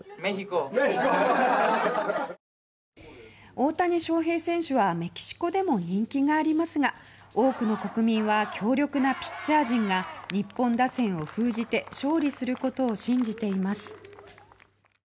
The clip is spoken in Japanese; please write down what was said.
大谷翔平選手はメキシコでも人気がありますが多くの国民は強力なピッチャー陣が日本打線を封じて勝利することを信じています。